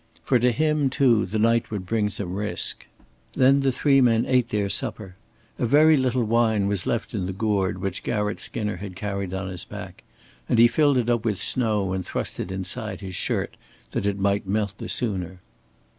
For to him, too, the night would bring some risk. Then the three men ate their supper. A very little wine was left in the gourd which Garratt Skinner had carried on his back, and he filled it up with snow and thrust it inside his shirt that it might melt the sooner.